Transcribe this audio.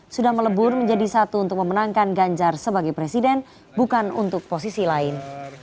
sudah melebur menjadi satu untuk memenangkan ganjar sebagai presiden bukan untuk posisi lain